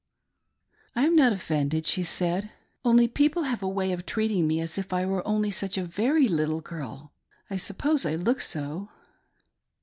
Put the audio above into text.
" I'm not offended," she said, " only people have a way of treating me as if I were only such a very little girl :— I sup pose I look so."